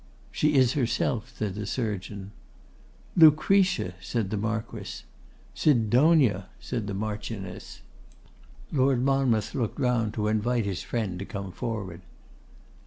'She is herself,' said the surgeon. 'Lucretia!' said the Marquess. 'Sidonia!' said the Marchioness. Lord Monmouth looked round to invite his friend to come forward.